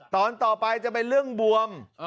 ตอนต่อไปจะเป็นเรื่องบวม